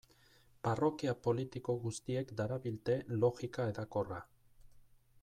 Parrokia politiko guztiek darabilte logika hedakorra.